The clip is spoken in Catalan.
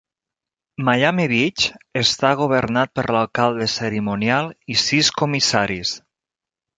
Miami Beach està governat per l'alcalde cerimonial i sis comissaris.